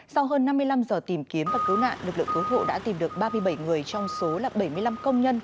sau hơn năm mươi năm giờ tìm kiếm và cứu nạn lực lượng cứu hộ đã tìm được ba mươi bảy người trong số là bảy mươi năm công nhân